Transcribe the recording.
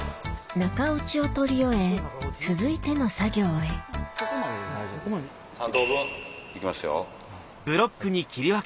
中落ちを取り終え続いての作業へ３等分。